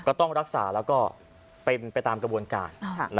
ก็ต้องรักษาแล้วก็เป็นไปตามกระบวนการ